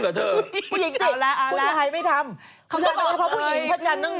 เขาชอบความสวยงานของผู้หญิง